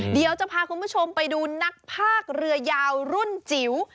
เดี๋ยวจะพาคุณผู้ชมไปดูนักภาคเรือยาวรุ่นจิ๋ว